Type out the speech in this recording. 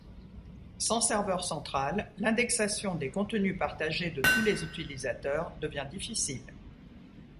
Sans serveur central, l’indexation des contenus partagés de tous les utilisateurs devient difficile.